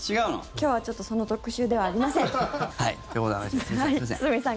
今日はちょっとその特集ではありません。